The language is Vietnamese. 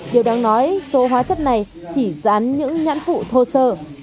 điều đáng nói số hóa chất này chỉ dán những nhãn phụ thô sơ